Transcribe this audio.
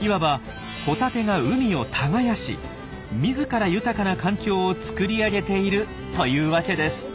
いわばホタテが海を耕し自ら豊かな環境を作り上げているというわけです。